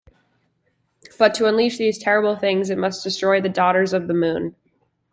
But to unleash these terrible things it must destroy the Daughters of the moon.